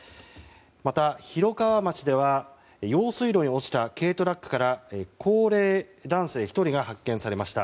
また、広川町では用水路に落ちた軽トラックから高齢男性１人が発見されました。